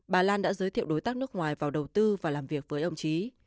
bà lan đã giới thiệu đối tác nước ngoài vào đầu tư và làm việc với ông trí